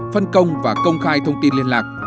phân công và công khai thông tin liên lạc